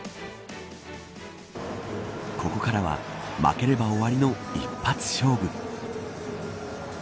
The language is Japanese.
ここからは負ければ終わりの一発勝負。